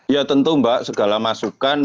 ya tentu mbak segala masukan